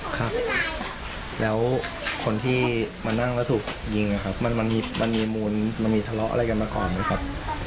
ครับแล้วคนที่มานั่งแล้วถูกยิงนะครับมันมีมูลมันมีทะเลาะอะไรกันมาก่อนไหมครับ